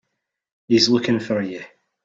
He's looking for you.